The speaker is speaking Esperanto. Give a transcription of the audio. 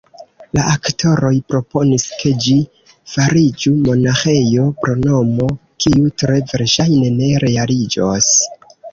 La aktoroj proponis, ke ĝi fariĝu monaĥejo – propono, kiu tre verŝajne ne realiĝos.